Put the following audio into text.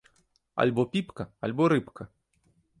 Альбо піпка, альбо рыбка!